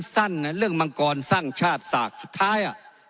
สั้นนะเรื่องมังกรสร้างชาติสากสุดท้าย